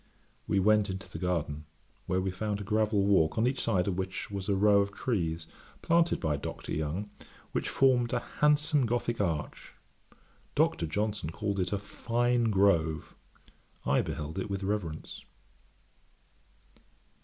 We went into the garden, where we found a gravel walk, on each side of which was a row of trees, planted by Dr. Young, which formed a handsome Gothick arch; Dr. Johnson called it a fine grove. I beheld it with reverence.